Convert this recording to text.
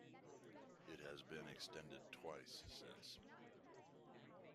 It has been extended twice since.